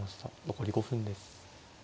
残り５分です。